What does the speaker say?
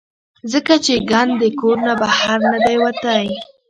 ځکه چې ګند د کور نه بهر نۀ دے وتے -